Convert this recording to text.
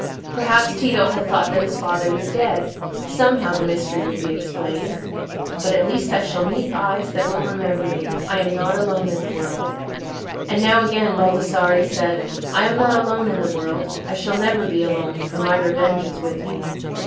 Perhaps Tito had thought that his father was dead; somehow the mystery would be explained. "But at least I shall meet eyes that will remember me. I am not alone in the world." And now again Baldassarre said, "I am not alone in the world; I shall never be alone, for my revenge is with me."